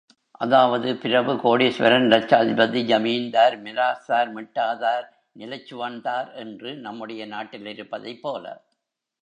அதாவது, பிரபு, கோடீஸ்வரன், லட்சாதிபதி, ஜமீன்தார், மிராஸ்தார், மிட்டாதார், நிலச்சுவான்தார் என்று நம்முடைய நாட்டிலிருப்பதைப் போல.